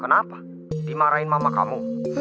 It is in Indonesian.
kenapa dimarahin mama kamu